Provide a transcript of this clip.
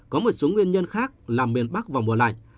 có một số nguyên nhân khác làm miền bắc vào mùa lạnh